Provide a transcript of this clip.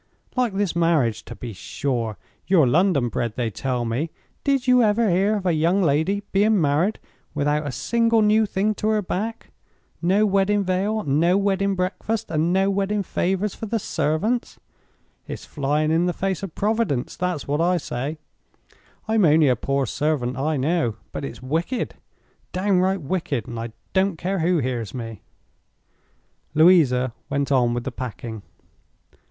"Like this marriage, to be sure. You're London bred, they tell me. Did you ever hear of a young lady being married without a single new thing to her back? No wedding veil, and no wedding breakfast, and no wedding favors for the servants. It's flying in the face of Providence—that's what I say. I'm only a poor servant, I know. But it's wicked, downright wicked—and I don't care who hears me!" Louisa went on with the packing.